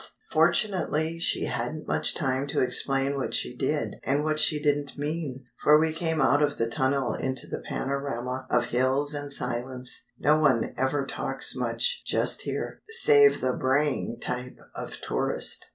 Fortunately she hadn't much time to explain what she did and what she didn't mean, for we came out of the tunnel into the panorama of hills and silence; no one ever talks much just here, save the braying type of tourist.